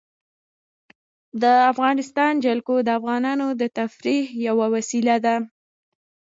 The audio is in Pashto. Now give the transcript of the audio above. د افغانستان جلکو د افغانانو د تفریح یوه وسیله ده.